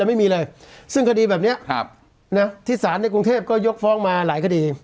แล้วไม่มีเลยซึ่งคดีแบบเนี้ยครับน่ะทฤษฐานในกรุงเทพก็ยกฟ้องมาหลายคดี